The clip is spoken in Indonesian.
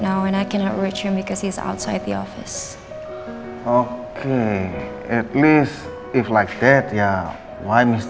dan aku gak bisa menghubungi dia karena dia di luar pejabat